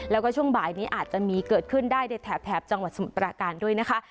แล้วก็ช่วงบ่ายนี้อาจจะมีเกิดขึ้นได้ในแถบจังหวัดสมุทรปราการด้วยนะคะ